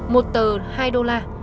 một tờ hai đô la